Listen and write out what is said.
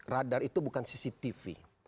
radar itu bukan cctv